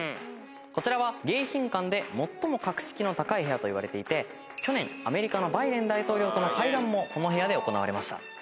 こちらは迎賓館で最も格式の高い部屋といわれ去年アメリカのバイデン大統領との会談もこの部屋で行われました。